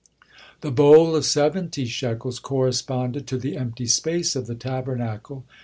The bowl of seventy shekels corresponded to the empty space of the Tabernacle.